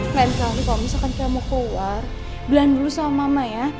nanti kalau misalkan kamu keluar bilang dulu sama mama ya